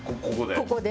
ここで。